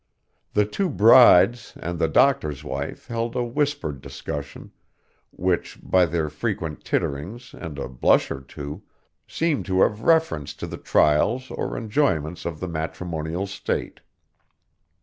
The two brides and the doctor's wife held a whispered discussion, which, by their frequent titterings and a blush or two, seemed to have reference to the trials or enjoyments of the matrimonial state.